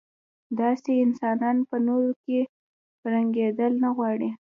داسې انسانان په نورو کې رنګېدل نه غواړي.